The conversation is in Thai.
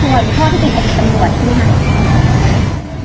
หรือพ่อที่เป็นกับสังหวัดหรือเปล่า